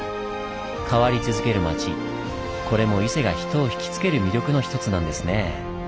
変わり続ける町これも伊勢が人を引き付ける魅力の一つなんですね。